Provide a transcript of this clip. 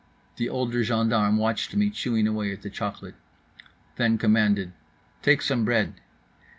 The older gendarme watched me chewing away at the chocolate, then commanded, "Take some bread."